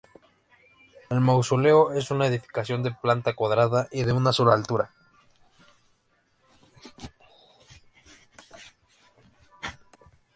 El mausoleo es una edificación de planta cuadrada y de una sola altura.